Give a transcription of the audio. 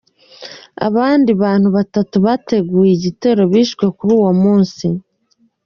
Abandi bantu batatu bateguye igitero bishwe kuri uwo munsi.